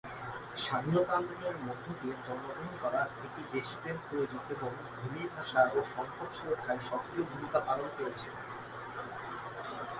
স্বাধীনতা আন্দোলনের মধ্য দিয়ে জন্মগ্রহণ করা, এটি দেশপ্রেম তৈরিতে এবং ভূমি, ভাষা ও সম্পদ সুরক্ষায় সক্রিয় ভূমিকা পালন করেছে।